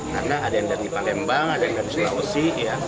karena ada yang dari palembang ada yang dari sulawesi